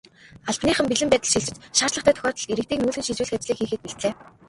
Албаныхан бэлэн байдалд шилжиж, шаардлагатай тохиолдолд иргэдийг нүүлгэн шилжүүлэх ажлыг хийхэд бэлдлээ.